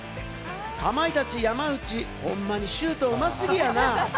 かまいたち・山内、ほんまにシュートうますぎやな。